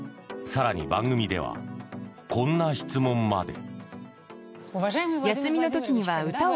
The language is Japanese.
更に、番組ではこんな質問まで。